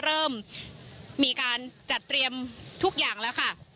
เริ่มมีการจัดเตรียมทุกอย่างแล้วค่ะ